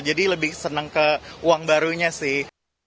jadi lebih senang ke uang barunya sih